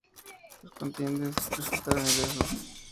Los contendientes resultaron ilesos.